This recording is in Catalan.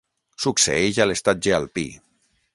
Succeeix a l'estatge alpí.